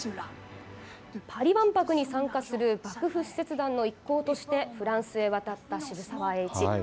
パリ万博に参加する幕府使節団の一行としてフランスへ渡った渋沢栄一。